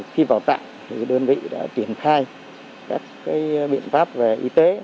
khi vào tạng đơn vị đã triển khai các biện pháp về y tế